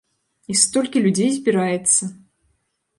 І столькі людзей збіраецца!